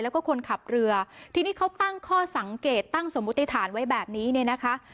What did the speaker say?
แล้วก็คนขับเรือทีนี้เขาตั้งข้อสังเกตตั้งสมมติฐานไว้แบบนี้เนี่ยนะคะ